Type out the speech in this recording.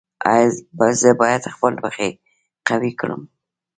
ایا زه باید خپل پښې قوي کړم؟